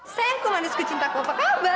sayangku manisku cintaku apa kabar